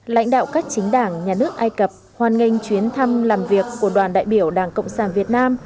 lãnh đạo các chính đảng nhà nước ai cập hoàn nghênh chuyến thăm làm việc của đoàn đại biểu đảng cộng sản việt nam